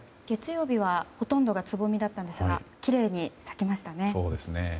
月曜日はほとんどがつぼみだったんですがきれいに咲きましたね。